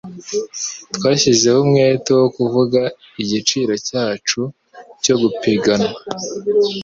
Twashyizeho umwete wo kuvuga igiciro cyacu cyo gupiganwa.